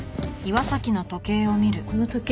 この時計